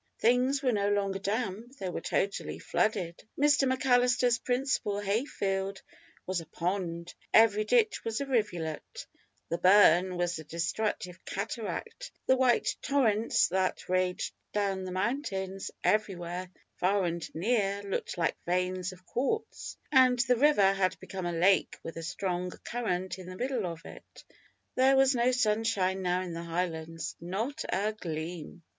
Things were no longer damp, they were totally flooded. Mr McAllister's principal hay field was a pond every ditch was a rivulet; "the burn" was a destructive cataract; the white torrents that raged down the mountains everywhere, far and near, looked like veins of quartz, and the river had become a lake with a strong current in the middle of it. There was no sunshine now in the Highlands, not a gleam!